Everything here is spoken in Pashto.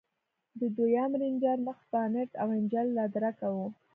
د دويم رېنجر مخ بانټ او انجن لادرکه و.